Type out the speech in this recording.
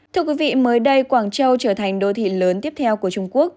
thưa quý vị mới đây quảng châu trở thành đô thị lớn tiếp theo của trung quốc